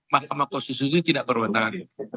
mahkamah konstitusi tidak berwenang